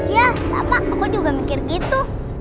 ya apa aku juga mikir gitu